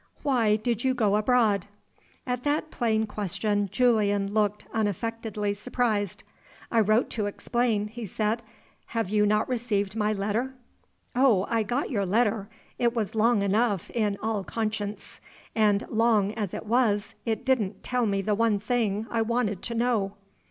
Why did you go abroad?" At that plain question Julian looked unaffectedly surprised. "I wrote to explain," he said. "Have you not received my letter?" "Oh, I got your letter. It was long enough, in all conscience; and, long as it was, it didn't tell me the one thing I wanted to know."